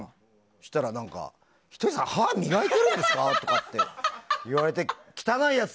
そうしたらひとりさん、歯磨いてるんですかって言われてさ。